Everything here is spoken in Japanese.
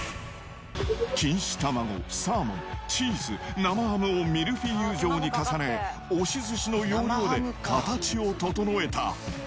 錦糸卵、サーモン、チーズ、生ハムをミルフィーユ状に重ね、押し寿司の要領で形を整えた。